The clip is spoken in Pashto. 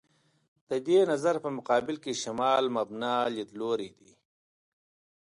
د دې نظر په مقابل کې «شمال مبنا» لیدلوری دی.